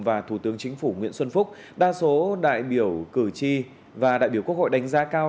và thủ tướng chính phủ nguyễn xuân phúc đa số đại biểu cử tri và đại biểu quốc hội đánh giá cao